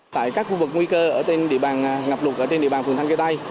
tại các khu vực nguy cơ ở trên địa bàn ngập lụt ở trên địa bàn phường thanh khê tây